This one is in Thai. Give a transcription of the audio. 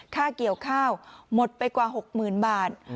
ค่าเกี่ยวข้าวหมดไปกว่า๖๐๐๐บาท